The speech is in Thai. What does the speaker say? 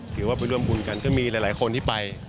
ถือว่าไปร่วมบุญกันก็มีหลายคนที่ไป